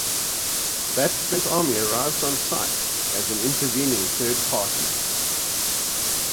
Batman's army arrives on site as an intervening third party.